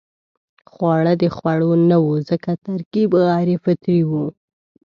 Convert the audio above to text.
خواړه د خوړو نه وو ځکه ترکیب غیر فطري وو.